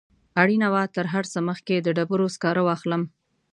اړینه وه تر هر څه مخکې د ډبرو سکاره واخلم.